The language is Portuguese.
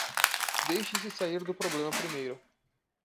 Deixe-se sair do problema primeiro